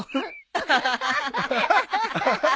アハハハ。